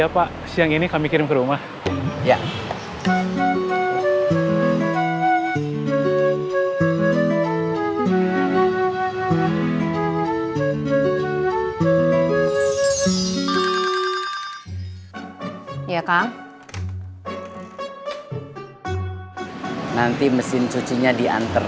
pakainya masih dijemur